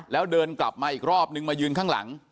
แล้วเดินกลับมาอีกรอบนึงมายืนข้างหลัง